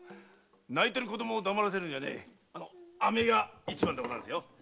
泣いてる子供を黙らせるにはね飴が一番でございますよ。